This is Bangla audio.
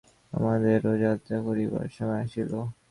আমাদেরও যাত্রা করিবার সময় আসিল।